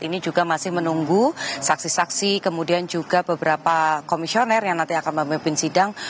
ini juga masih menunggu saksi saksi kemudian juga beberapa komisioner yang nanti akan memimpin sidang